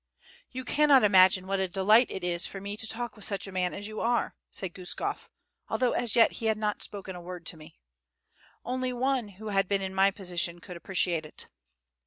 "You cannot imagine what a delight it is for me to talk with such a man as you are," said Guskof, although as yet he had not spoken a word to me. "Only one who had been in my position could appreciate it."